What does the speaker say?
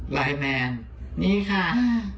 ไลน์แมนนี่ค่ะ